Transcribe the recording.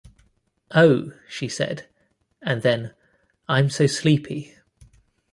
"Oh," she said — and then: "I'm so sleepy."